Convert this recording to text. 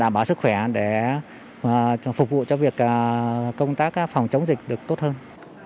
bảo sức khỏe để phục vụ cho việc công tác phòng chống dịch được tốt hơn